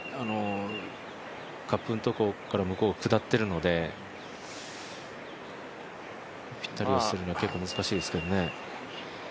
カップのところから向こう下っているので、ピッタリ寄せるのは結構難しいですけどね。